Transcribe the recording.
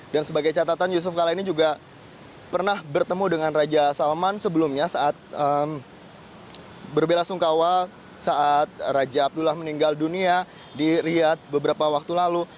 dan sebagai catatan yusuf kala ini juga pernah bertemu dengan raja salman sebelumnya saat berbela sungkawa saat raja abdullah meninggal dunia di riyad beberapa waktu lalu